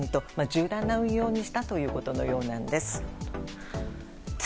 柔軟な運用にしたということなんです。